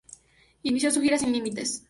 Inició su gira "Sin límites".